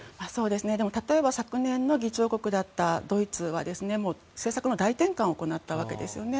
でも、例えば昨年の議長国だったドイツは政策の大転換を行ったわけですよね。